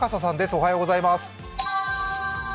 おはようございます。